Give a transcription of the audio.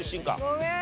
ごめん！